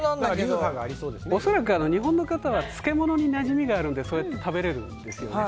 おそらく日本の方は漬物になじみがあるのでそうやって食べられるんですよね。